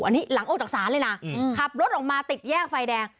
อันนี้หลังออกจากศาลเลยนะขับรถออกมาติดแยกไฟแดง